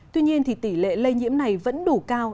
tuy nhiên thì tỷ lệ lây nhiễm này vẫn đủ cao